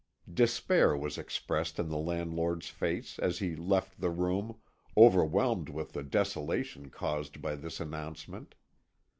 Despair was expressed in the landlord's face as he left the room, overwhelmed with the desolation caused by this announcement.